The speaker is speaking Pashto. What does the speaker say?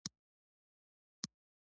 دوی د هند په سیاسي چارو کې مداخله ونه کړي.